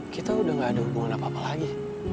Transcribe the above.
kita udah gak ada hubungan apa apa lagi